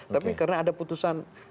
tapi karena ada putusan